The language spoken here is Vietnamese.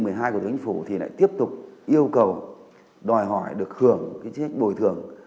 quyết định một mươi hai của chính phủ thì lại tiếp tục yêu cầu đòi hỏi được hưởng chế đội sách bồi thường